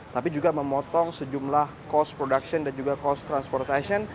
tapi juga memotong sejumlah cost production dan juga cost transportation